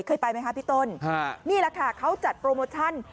เคยไปไหมคะพี่ต้นนี่แหละค่ะเขาจัดโปรโมชั่น